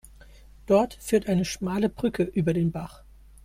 Dort führt eine schmale Brücke über den Bach.